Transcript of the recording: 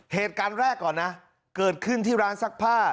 เหตุการณ์แรกก่อนนะเกิดขึ้นที่ร้านซักผ้า